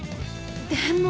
でも。